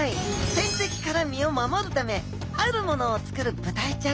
天敵から身を守るためあるものを作るブダイちゃんがいます。